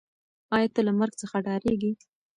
آیا ته له مرګ څخه ډارېږې؟